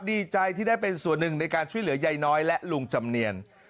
ดีใจที่ได้เป็นส่วนหนึ่งในการช่วยเหลือยายน้อยและลุงจำเนียน